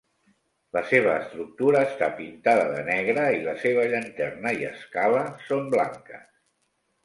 La seva estructura està pintada de negre i la seva llanterna i escala són blanques.